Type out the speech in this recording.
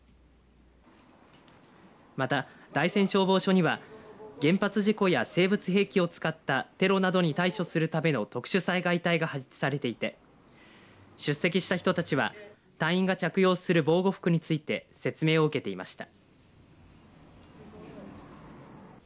また、大山消防署には原発事故や生物兵器を使ったテロなどに対処するための特殊災害隊が配置されていて出席した人たちは隊員が着用する防護服について説明を受けていました。